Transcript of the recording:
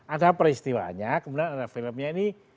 ada peristiwanya kemudian ada filmnya ini